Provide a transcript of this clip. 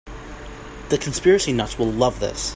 The conspiracy nuts will love this.